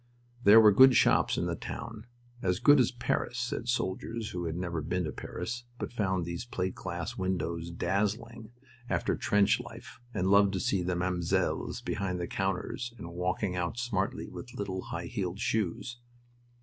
There were good shops in the town "as good as Paris," said soldiers who had never been to Paris, but found these plate glass windows dazzling, after trench life, and loved to see the "mamzelles" behind the counters and walking out smartly, with little high heeled shoes.